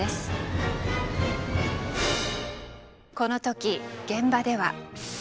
この時現場では。